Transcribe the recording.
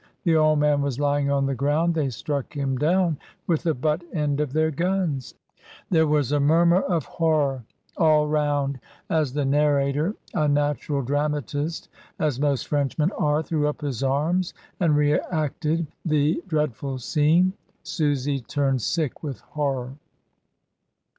The old man was lying on the ground; they struck him down with the butt end of their guns." There was a murmur of horror all round, as 17* 26o MRS. DYMOND, the narrator, a natural dramatist, as most Frenchmen are, threw up his arms and re acted the dreadful scene. Susy turned sick with horror.